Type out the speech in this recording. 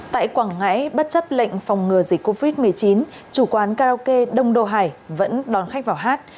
tại quảng ngãi bất chấp lệnh phòng ngừa dịch covid một mươi chín chủ quán karaoke đông đô hải vẫn đón khách vào hát